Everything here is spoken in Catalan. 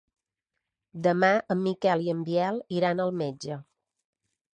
Demà en Miquel i en Biel iran al metge.